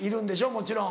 もちろん。